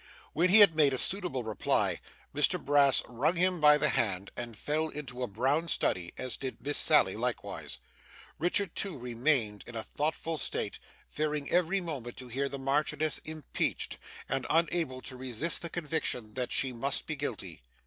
When he had made a suitable reply, Mr Brass wrung him by the hand, and fell into a brown study, as did Miss Sally likewise. Richard too remained in a thoughtful state; fearing every moment to hear the Marchioness impeached, and unable to resist the conviction that she must be guilty.